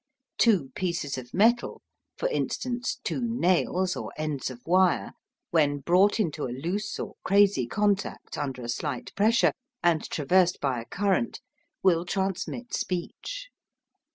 Two pieces of metal for instance, two nails or ends of wire when brought into a loose or crazy contact under a slight pressure, and traversed by a current, will transmit speech.